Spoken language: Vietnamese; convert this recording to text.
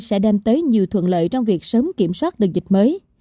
sẽ đem tới nhiều thuận lợi trong việc sớm kiểm soát được dịch mới